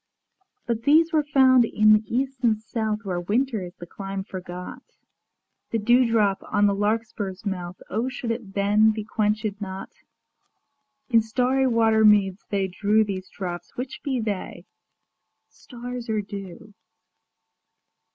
But these were found in the East and South Where Winter is the clime forgot. ŌĆö The dewdrop on the larkspur's mouth O should it then be quench├©d not? In starry water meads they drew These drops: which be they? stars or dew?